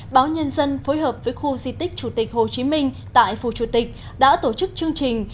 báo nhân dân phối hợp với khu di tích chủ tịch hồ chí minh tại phù chủ tịch đã tổ chức chương trình